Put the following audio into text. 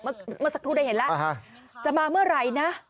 เมื่อสักครู่ได้เห็นแล้วจะมาเมื่อไหร่นะ